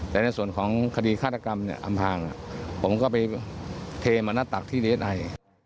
แต่ในส่วนของคดีฆาตกรรมเนี่ยอำพางผมก็ไปเทมาหน้าตักที่ดีเอสไอ